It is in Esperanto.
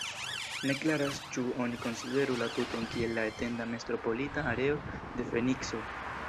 Ne klaras ĉu oni konsideru la tuton kiel la etenda metropolita areo de Fenikso.